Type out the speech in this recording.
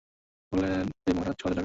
বললে, এই মহারাজের ছ হাজার টাকা।